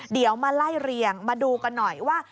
เดี๋ยวมาไล่เรียงมาดูกันหน่อยว่า